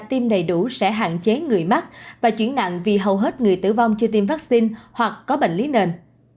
tiêm đầy đủ sẽ hạn chế người mắc và chuyển nặng vì hầu hết người tử vong chưa tiêm vaccine hoặc có bệnh lý nền